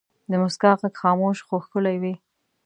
د مسکا ږغ خاموش خو ښکلی وي.